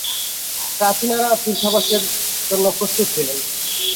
প্রাচীনারা তীর্থবাসের জন্য প্রস্তুত হইলেন।